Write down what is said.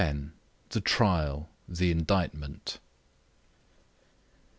THE TRIAL THE INDICTMENT.